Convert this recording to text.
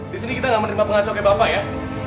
disini kita gak menerima pengacau kayak bapak ya